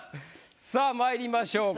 さあまいりましょうか。